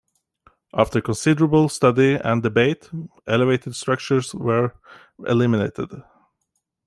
After considerable study and debate, elevated structures were eliminated.